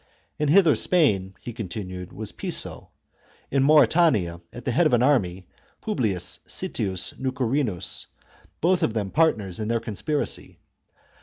In Hither Spain, he continued, was Piso ; in Mauritania, at the head of an army, Publius Sittius Nucerinus ; both of them partners in their con spiracy.